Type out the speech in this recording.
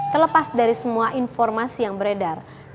terlepas dari semua informasi yang beredar